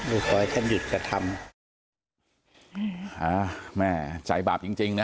ก็ขอให้ท่านหยุดกระทำ